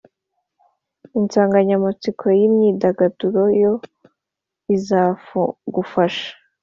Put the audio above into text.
Insanganyamatsiko y’imyidagaduro yo izagufasha